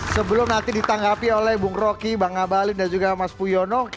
sebelum nanti ditanggapi oleh bung rocky bang abalin dan juga mas puyono